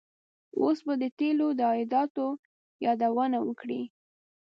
اوس به د تیلو د عایداتو یادونه وکړي.